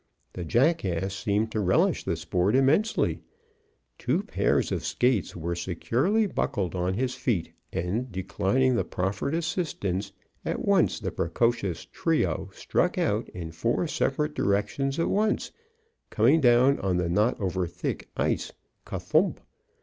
The jackass seemed to relish the sport immensely. Two pairs of skates were securely buckled on his feet and, declining the proffered assistance, at once the precocious tyro struck out in four several directions at once, coming down on the not over thick ice kothump!